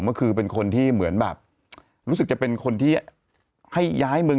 ก็คือเป็นคนที่เหมือนแบบรู้สึกจะเป็นคนที่ให้ย้ายเมือง